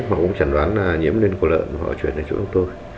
họ cũng chẳng đoán là nhiễm lên của lợn họ chuyển đến chỗ của tôi